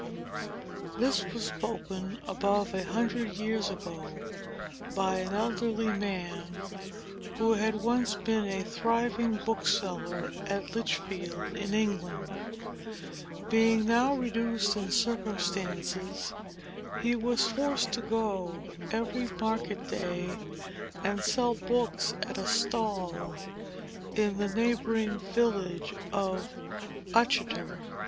This was spoken, above a hundred years ago, by an elderly man, who had once been a thriving bookseller at Lichfield, in England. Being now in reduced circumstances, he was forced to go, every market day, and sell books at a stall, in the neighboring village of Uttoxeter.